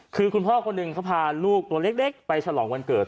คือคุณพ่อคนหนึ่งเขาพาลูกตัวเล็กไปฉลองวันเกิด